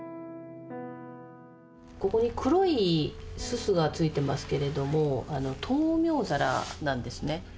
ここに黒い煤がついてますけれども灯明皿なんですね。